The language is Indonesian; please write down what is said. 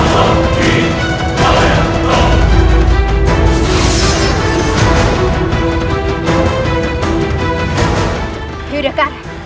mereka sudah datang